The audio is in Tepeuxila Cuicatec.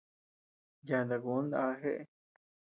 Yata kun ndá jeʼë.